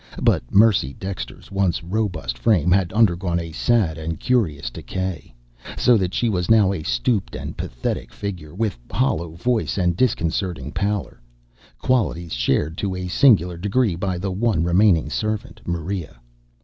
But Mercy Dexter's once robust frame had undergone a sad and curious decay, so that she was now a stooped and pathetic figure with hollow voice and disconcerting pallor qualities shared to a singular degree by the one remaining servant Maria.